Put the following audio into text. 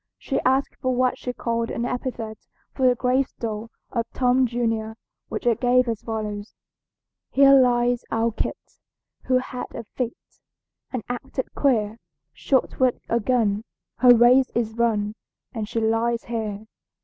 She asked for what she called an epithet for the gravestone of Tom junior, which I gave as follows: "Here lies our Kit, Who had a fit, And acted queer, Shot with a gun, Her race is run, And she lies here."